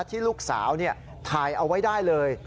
ที่ลูกสาวถ่ายเอาไว้ได้เลย